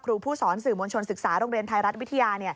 ครูผู้สอนสื่อมวลชนศึกษาโรงเรียนไทยรัฐวิทยา